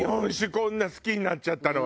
こんな好きになっちゃったのは。